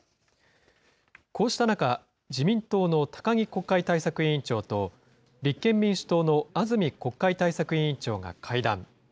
こうした中、自民党の高木国会対策委員長と、立憲民主党の安住国会対策委員長が会談。